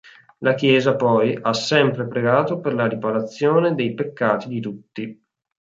La Chiesa, poi, ha sempre pregato per la riparazione dei peccati di tutti.